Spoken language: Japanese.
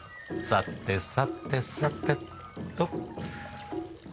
さてさてさてと。